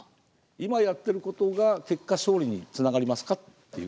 今やってることが結果勝利につながりますかっていう。